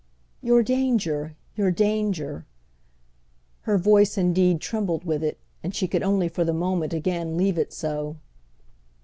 "Your danger, your danger—!" Her voice indeed trembled with it, and she could only for the moment again leave it so.